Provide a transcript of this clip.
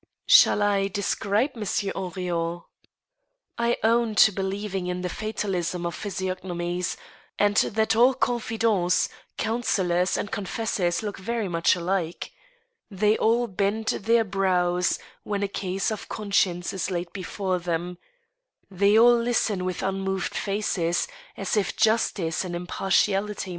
Shall I describe Monsieur Henrion ? I own to believing in the fatalism of physiognomies, and that all confidants, counselors, and confessors look very much alike. They all bend their brows when a case of conscience is laid before them ; they all listen with unmoved faces, as if Justice and Impartiality THE PRODIGAL HUSBAND.